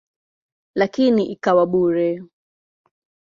Lakini ikawa bure.